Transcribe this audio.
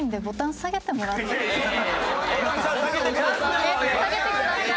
下げてください。